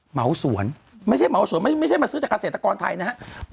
เหมาสวนไม่ใช่เหมาสวนไม่ใช่มาซื้อจากเกษตรกรไทยนะครับ